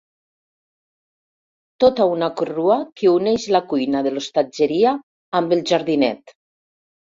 Tota una corrua que uneix la cuina de l'hostatgeria amb el jardinet.